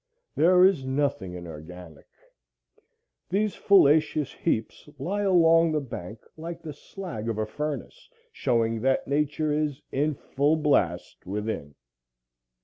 There is nothing inorganic. These foliaceous heaps lie along the bank like the slag of a furnace, showing that Nature is "in full blast" within.